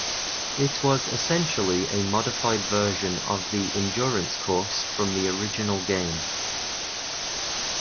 It was essentially a modified version of the Endurance Course from the original game.